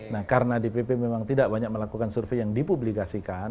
nah karena dpp memang tidak banyak melakukan survei yang dipublikasikan